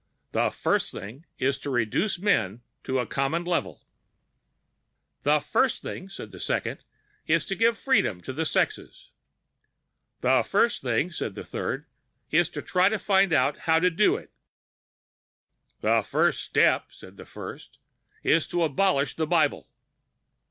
"The first thing is to reduce men to a common level." "The first thing," said the second, "is to give freedom to the sexes." "The first thing," said the third, "is to find out how to do it." "The first step," said the first, "is to abolish the Bible."